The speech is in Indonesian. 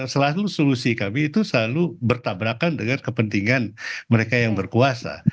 selalu solusi kami itu selalu bertabrakan dengan kepentingan mereka yang berkuasa